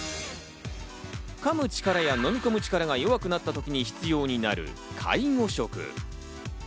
噛む力や飲み込む力が弱くなったときに必要になる介護食。